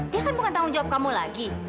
dia kan bukan tanggung jawab kamu lagi